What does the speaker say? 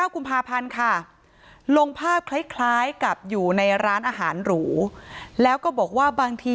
กุมภาพันธ์ค่ะลงภาพคล้ายกับอยู่ในร้านอาหารหรูแล้วก็บอกว่าบางที